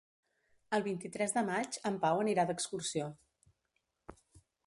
El vint-i-tres de maig en Pau anirà d'excursió.